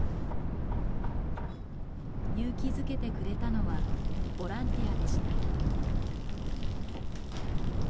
勇気づけてくれたのはボランティアでした。